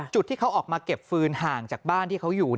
จุดที่เขาออกมาเก็บฟืนห่างจากบ้านที่เขาอยู่